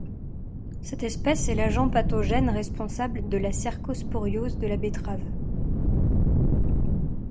Cette espèce est l'agent pathogène responsable de la cercosporiose de la betterave.